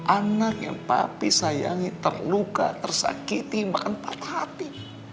anak yang papi sayangi terluka tersakiti makan patah hati